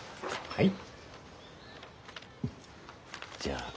はい。